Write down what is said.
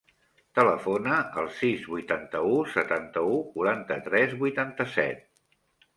Telefona al sis, vuitanta-u, setanta-u, quaranta-tres, vuitanta-set.